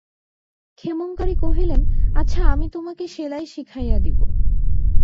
ক্ষেমংকরী কহিলেন, আচ্ছা, আমি তোমাকে সেলাই শিখাইয়া দিব।